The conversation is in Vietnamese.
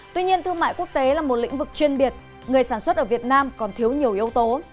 tuy nhiên thương mại quốc tế là một lĩnh vực chuyên biệt người sản xuất ở việt nam còn thiếu nhiều yếu tố